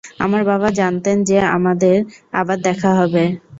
আমার বাবা জানতেন যে আমাদের আবার দেখা হবে।